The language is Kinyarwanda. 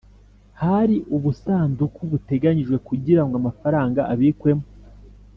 Hari ubusanduku buteganyijwe kugira ngo amafaranga abikwemo